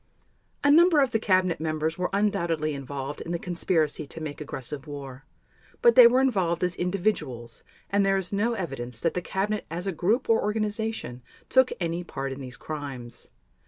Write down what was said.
A number of the cabinet members were undoubtedly involved in the conspiracy to make aggressive war; but they were involved as individuals and there is no evidence that the Cabinet as a group or organization took any part in these crimes.